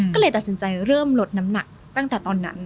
ก็เลยตัดสินใจเริ่มลดน้ำหนักตั้งแต่ตอนนั้น